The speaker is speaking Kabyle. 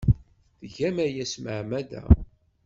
Tgam aya s tmeɛmada!